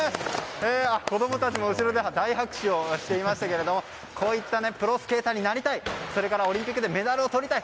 子供たちも後ろで大拍手していましたけどこういったプロスケーターになりたいそれからオリンピックでメダルをとりたい